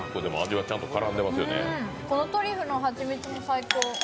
うん、このトリュフの蜂蜜も最高！